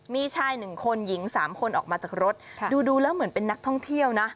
มีชายหนึ่งคนหญิงสามคนออกมาจากรถดูแล้วเหมือนเป็นนักท่องเที่ยวนะ